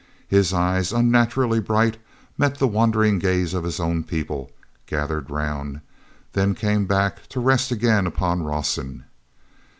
His eyes, unnaturally bright, met the wondering gaze of his own people gathered around, then came back to rest again upon Rawson.